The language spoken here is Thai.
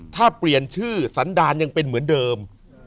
ถ้าเปลี่ยนชื่อสันดารยังเป็นเหมือนเดิม